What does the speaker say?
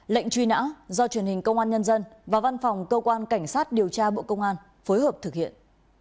lệnh truy nã do truyền hình công an nhân dân và văn phòng cơ quan cảnh sát điều tra bộ công an phối hợp thực hiện